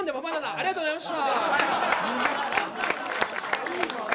ありがとうございます